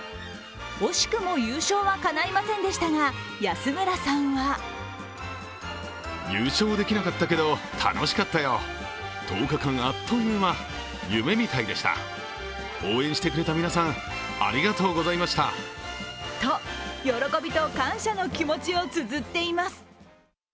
惜しくも優勝はかないませんでしたが安村さんはと喜びと感謝の気持ちをつづっています。